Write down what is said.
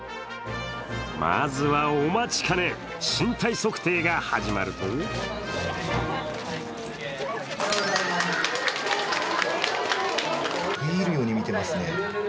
まずは、お待ちかね身体測定が始まると食い入るように見ていますね。